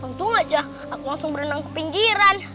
tentu aja aku langsung berenang ke pinggiran